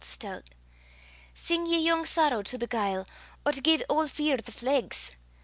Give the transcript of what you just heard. Sing ye yoong sorrow to beguile Or to gie auld fear the flegs?